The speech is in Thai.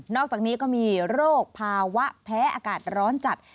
อกจากนี้ก็มีโรคภาวะแพ้อากาศร้อนจัด